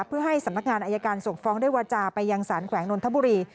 เพื่อให้สำนักงานอายการส่งฟ้องด้วยวาจาไปยังสารแขวงนนทบุรี